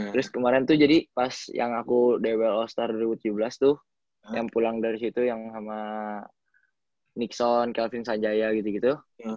terus kemarin tuh jadi pas yang aku dbl all star dua ribu tujuh belas tuh yang pulang dari situ yang sama nixon kelvin sanjaya gitu gitu